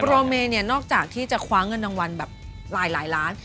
โรเมเนี่ยนอกจากที่จะคว้าเงินรางวัลแบบหลายล้าน